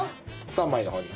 ３枚の方に。